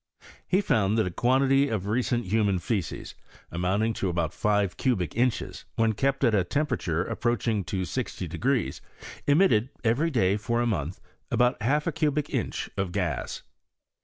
He found thai a quantity of re cent human faces, amounling to about five cubic inches, when kept at a temperature approaching to 60* emitted, every day for a month, about half a cubic inch of gas.